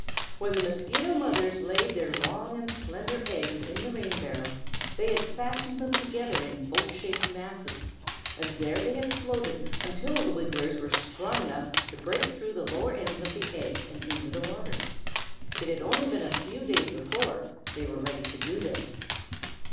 When the Mosquito Mothers laid their long and slender eggs in the rain barrel, they had fastened them together in boat shaped masses, and there they had floated until the Wigglers were strong enough to break through the lower ends of the eggs into the water. It had been only a few days before they were ready to do this.